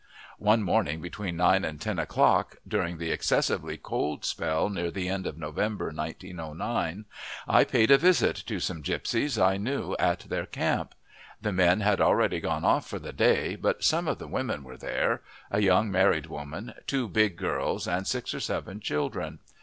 One morning, between nine and ten o'clock, during the excessively cold spell near the end of November 1909, I paid a visit to some gipsies I knew at their camp. The men had already gone off for the day, but some of the women were there a young married woman, two big girls, and six or seven children.